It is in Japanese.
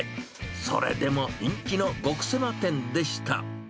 それでも人気の極セマ店でした。